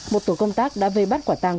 một tổ công tác đã về bắt quả tang